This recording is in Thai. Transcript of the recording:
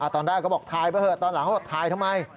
ตอนแรกก็บอกถ่ายไปเถอะตอนหลังเขาบอกถ่ายทำไม